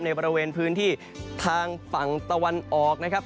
บริเวณพื้นที่ทางฝั่งตะวันออกนะครับ